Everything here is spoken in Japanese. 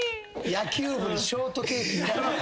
野球部にショートケーキいらない。